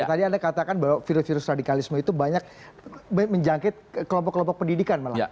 tadi anda katakan bahwa virus virus radikalisme itu banyak menjangkit kelompok kelompok pendidikan malah